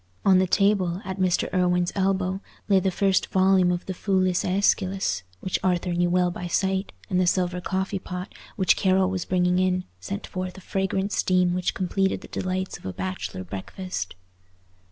On the table, at Mr. Irwine's elbow, lay the first volume of the Foulis Æschylus, which Arthur knew well by sight; and the silver coffee pot, which Carroll was bringing in, sent forth a fragrant steam which completed the delights of a bachelor breakfast.